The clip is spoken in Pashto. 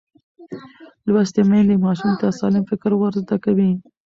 لوستې میندې ماشوم ته سالم فکر ورزده کوي.